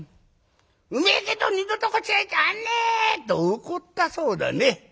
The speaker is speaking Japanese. うめえけど二度とこしらえちゃなんねえ！』と怒ったそうだね。